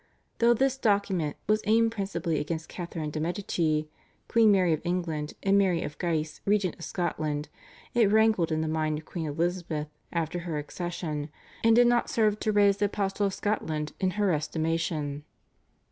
Though this document was aimed principally against Catharine de' Medici, Queen Mary of England, and Mary of Guise regent of Scotland, it rankled in the mind of Queen Elizabeth after her accession, and did not serve to raise the apostle of Scotland in her estimation.